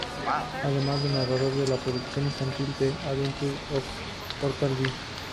Además fue narrador de la producción infantil "The Adventures of Portland Bill".